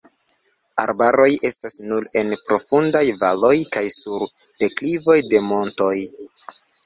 Arbaroj estas nur en profundaj valoj kaj sur deklivoj de montoj.